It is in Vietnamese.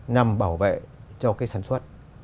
nhằm bảo vệ cho cái sản xuất